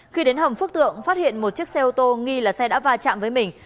khi đến hầm phước tượng phát hiện một chiếc xe ô tô nghi là xe đã va chạm với mình